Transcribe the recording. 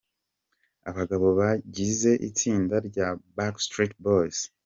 Abagabo bagize itsinda rya Backstreet Boys.